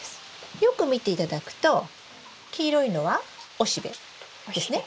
よく見て頂くと黄色いのは雄しべですね？